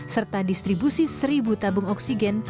serta distribusi seribu tabung oksigen